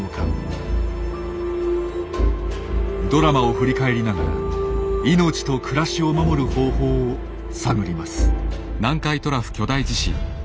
ドラマを振り返りながら命と暮らしを守る方法を探ります。